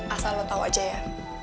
asal lo tau aja ya